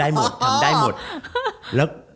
หนูว่าก็อยากอีนเนอร์เยอะมาก